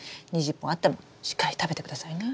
２０本あってもしっかり食べてくださいね。